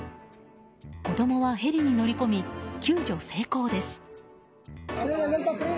子供はヘリに乗り進み救助成功です。